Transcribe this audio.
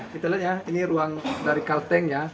kita lihat ya ini ruang dari kalteng ya